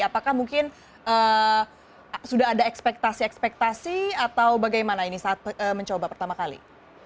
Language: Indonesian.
apakah mungkin sudah ada ekspektasi ekspektasi atau bagaimana ini saat mencoba pertama kali